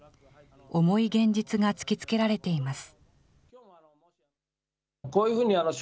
重い現実が突きつけられています。